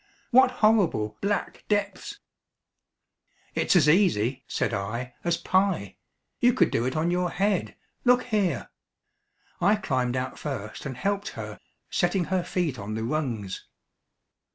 "What horrible, black depths!" "It's as easy," said I, "as pie. You could do it on your head; look here ," I climbed out first and helped her, setting her feet on the rungs.